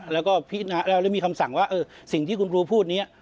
แล้วก็มีคำสั่งว่าสิ่งที่คุณครูพูดนี้